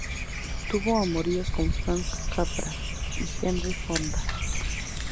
Tuvo amoríos con Frank Capra y Henry Fonda.